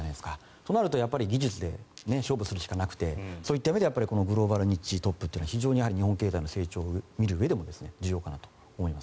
となるとやっぱり技術で勝負するしかなくてそういった意味ではグローバルニッチトップ企業というのは日本経済の成長を見るうえでも重要かなと思います。